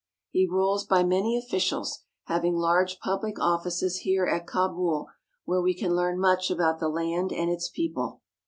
He rules by many officials, having large public offices here at Kabul where we can learn much about the land and its people.